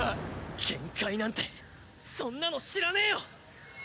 限界なんてそんなの知らねえよ！